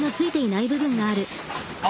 あ。